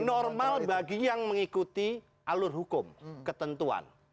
normal bagi yang mengikuti alur hukum ketentuan